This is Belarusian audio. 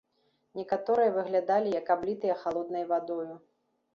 Некаторыя выглядалі, як аблітыя халоднай вадою.